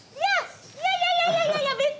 いやいやいやいやいや。